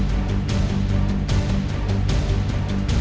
ไฟใหม่เต้นไฟใหม่เต้น